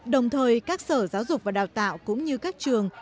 đồng thời các sở giáo dục và đào tạo cũng như các trường